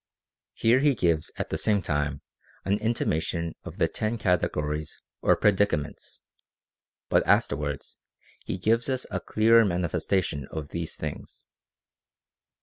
* Here he gives at the same time an intimation of the ten Categories or Predicaments ; but afterwards he gives us a clearer manifestation of these things.